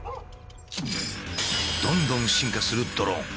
どんどん進化するドローン。